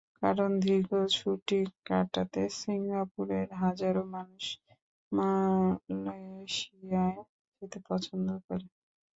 কারণ, দীর্ঘ ছুটি কাটাতে সিঙ্গাপুরের হাজারো মানুষ মালয়েশিয়ায় যেতে পছন্দ করে।